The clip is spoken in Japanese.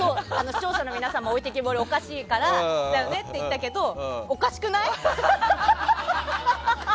視聴者の皆さん置いてきぼりはおかしいからって言ったけどおかしくない？